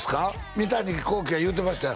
三谷幸喜が言うてましたよ